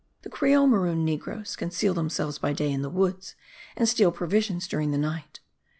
The creole maroon negroes conceal themselves by day in the woods and steal provisions during the night.